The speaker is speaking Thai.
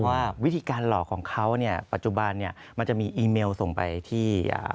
ว่าวิธีการหลอกของเขาปัจจุบันมันจะมีอีเมลส่งไปที่